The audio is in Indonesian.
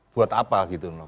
buat apa gitu loh